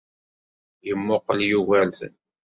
Yemmuqel Yugurten.